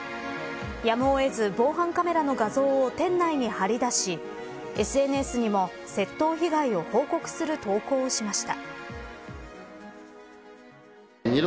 やむを得ず防犯カメラの画像を店内に張り出しＳＮＳにも窃盗被害を報告する投稿しました。